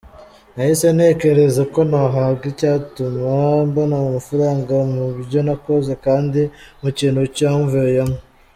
Nahise ntekereza uko nahanga icyatuma mbona amafaranga mu byo nakoze, kandi mu kintu cyamvuyemo.